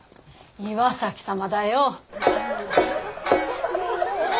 岩崎様だよ。